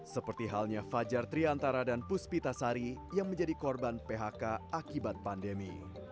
seperti halnya fajar triantara dan puspita sari yang menjadi korban phk akibat pandemi